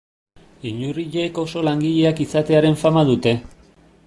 Inurriek oso langileak izatearen fama dute.